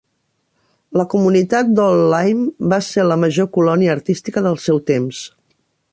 La comunitat d'Old Lyme va ser la major colònia artística del seu temps.